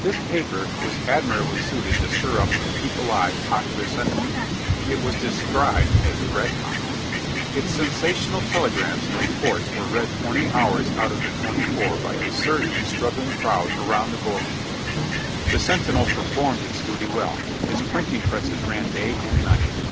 This paper was admirably suited to stir up and keep alive popular sentiment. It was de scribed as "red hot." Its sensational telegrams and reports were read twenty hours out of the twenty four by a surging, strug gling crowd around the bulletin board. The Sentinel performed its duty well, its printing presses ran day and night.